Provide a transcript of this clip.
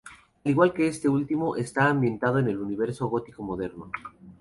Al igual que este último, está ambientado en un universo gótico moderno.